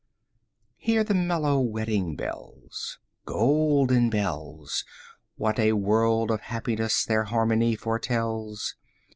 II Hear the mellow wedding bells, 15 Golden bells! What a world of happiness their harmony foretells!